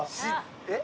えっ？